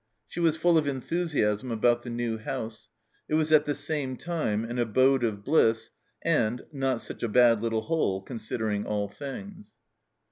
She was full of enthusiasm about the new house; it was at the same time an " abode of bliss," and " not such a bad little hole considering all things."